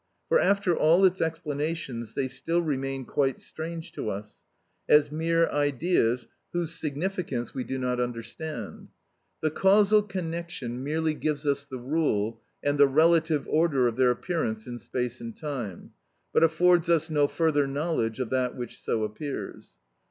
For, after all its explanations, they still remain quite strange to us, as mere ideas whose significance we do not understand. The causal connection merely gives us the rule and the relative order of their appearance in space and time, but affords us no further knowledge of that which so appears.